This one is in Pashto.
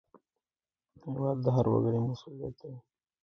هېواد د هر وګړي مسوولیت دی.